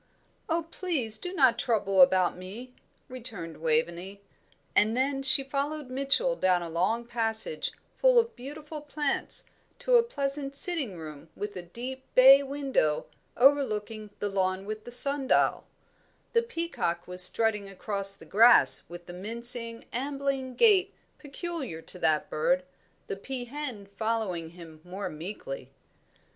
"Oh, please do not trouble about me!" returned Waveney; and then she followed Mitchell down a long passage, full of beautiful plants, to a pleasant sitting room with a deep bay window overlooking the lawn with the sundial; the peacock was strutting across the grass with the mincing, ambling gait peculiar to that bird, the peahen following him more meekly.